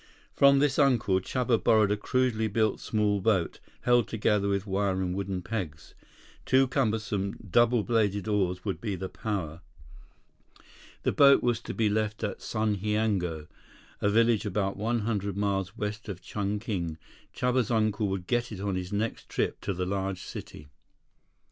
From this uncle, Chuba borrowed a crudely built small boat, held together with wire and wooden pegs. Two cumbersome, double bladed oars would be power. The boat was to be left at Sundhiango, a village about one hundred miles west of Chungking. Chuba's uncle would get it on his next trip to the large city.